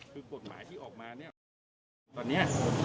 คือกฎหมายที่ออกมาเนี่ยตอนนี้